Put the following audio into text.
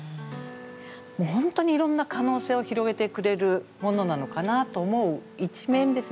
もう本当にいろんな可能性を広げてくれるものなのかなと思う一面ですね